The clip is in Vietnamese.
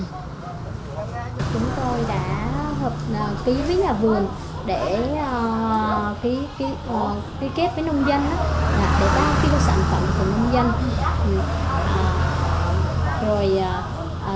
chúng tôi đã hợp ký với nhà vườn để ký kết với nông dân